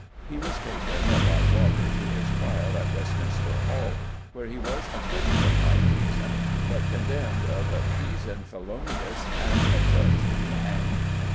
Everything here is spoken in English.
He was taken, by water, to his trial at Westminster Hall, where he was "acquitted of high treason," but condemned "of treason feloniouse and adjudged to be hanged."